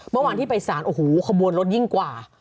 เมื่อวานที่ไปสารโอ้โหขบวนรถยิ่งกว่า